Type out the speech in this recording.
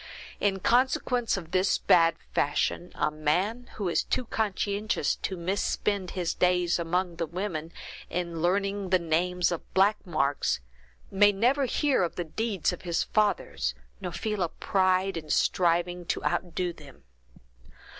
In consequence of this bad fashion, a man, who is too conscientious to misspend his days among the women, in learning the names of black marks, may never hear of the deeds of his fathers, nor feel a pride in striving to outdo them.